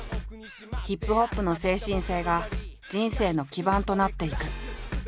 ＨＩＰＨＯＰの精神性が人生の基盤となっていく。